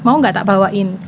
mau nggak tak bawain